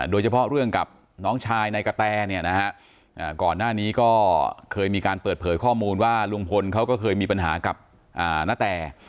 โดยเฉพาะเรื่องกับน้องชายนายกะแตเนี่ยนะฮะก่อนหน้านี้ก็เคยมีการเปิดเผยข้อมูลว่าลุงพลเขาก็เคยมีปัญหากับณแต